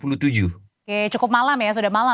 oke cukup malam ya sudah malam